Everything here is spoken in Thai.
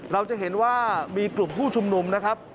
เราจะเห็นว่ามีกลุ่มผู้ชุมนุมนะครับ